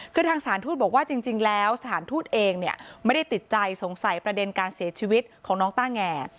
คือทางสารทูตบอกว่าจริงแล้วสถานทูตเองเนี่ยไม่ได้ติดใจสงสัยประเด็นการเสียชีวิตของน้องต้าแง